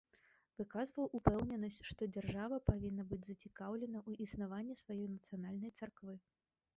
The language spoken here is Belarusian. Выказваў упэўненасць, што дзяржава павінна быць зацікаўлена ў існаванні сваёй нацыянальнай царквы.